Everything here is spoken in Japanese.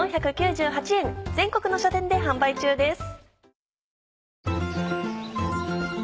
４９８円全国の書店で販売中です。